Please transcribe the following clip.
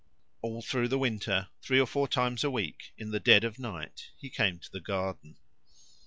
All through the winter, three or four times a week, in the dead of night he came to the garden.